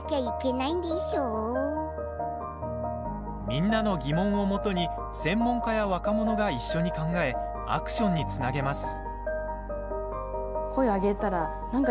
みんなの疑問をもとに専門家や若者が一緒に考えアクションにつなげます。